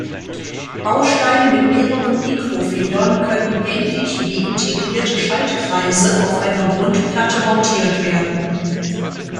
Bausteine mit mehreren Mikro-Federn können ähnlich wie integrierte Schaltkreise auf einer Grundplatte montiert werden.